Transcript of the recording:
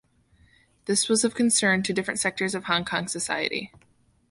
This was of concern to different sectors of Hong Kong society.